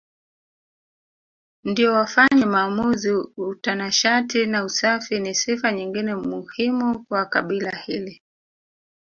ndio wafanye maamuzi Utanashati na usafi ni sifa nyingine muhimu kwa kabila hili